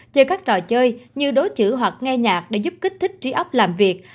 chơi các trò chơi như đối chữ hoặc nghe nhạc để giúp kích thích trí ốc làm việc